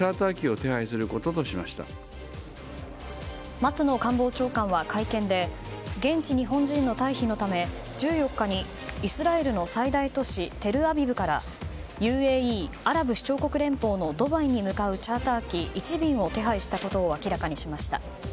松野官房長官は会見で現地日本人の退避のため１４日にイスラエルの最大都市テルアビブからＵＡＥ・アラブ首長国連邦のドバイに向かうチャーター機１便を手配したことを明らかにしました。